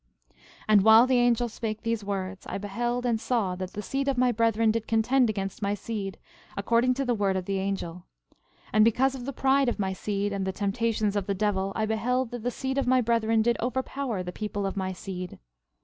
12:19 And while the angel spake these words, I beheld and saw that the seed of my brethren did contend against my seed, according to the word of the angel; and because of the pride of my seed, and the temptations of the devil, I beheld that the seed of my brethren did overpower the people of my seed.